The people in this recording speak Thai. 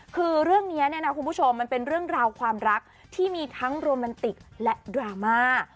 คือเรื่องนี้เนี่ยนะคุณผู้ชมมันเป็นเรื่องราวความรักที่มีทั้งโรแมนติกและดราม่า